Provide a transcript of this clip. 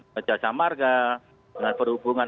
pecah samarga dengan perhubungan